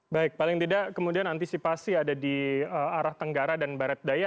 baik paling tidak kemudian antisipasi ada di arah tenggara dan barat daya